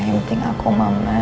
yang penting aku mama